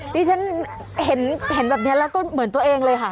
ที่ฉันเห็นแบบนี้แล้วก็เหมือนตัวเองเลยค่ะ